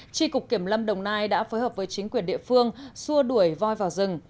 tri cục kiểm lâm đồng nai đã phối hợp với chính quyền địa phương xua đuổi voi vào rừng